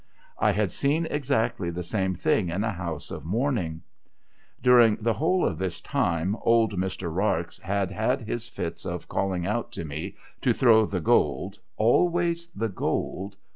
I had seen exactly the same thing in a house of mourning. During the whole of this time, old Mr. Rarx had had his fits of calling out to me to throw the gold (always the gold